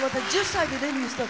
１０歳でデビューして。